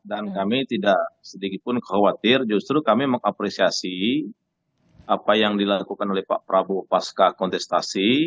dan kami tidak sedikit pun khawatir justru kami mengapresiasi apa yang dilakukan oleh pak prabowo pasca kontestasi